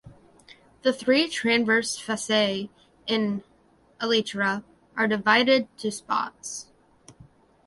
The three transverse fasciae in elytra are divided to spots.